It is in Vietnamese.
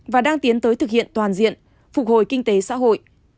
và đang tiến tới thực hiện toàn diện phục hồi kinh tế xã hội